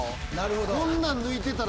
そんなん抜いてたらもう。